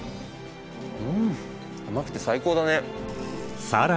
うん甘くて最高だね。